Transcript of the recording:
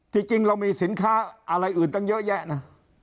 จริงเรามีสินค้าอะไรอื่นตั้งเยอะแยะนะ